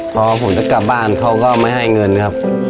พอผมจะกลับบ้านเขาก็ไม่ให้เงินครับ